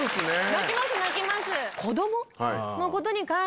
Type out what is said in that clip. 泣きます泣きます。